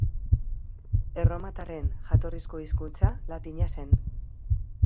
Erromatarren jatorrizko hizkuntza latina zen.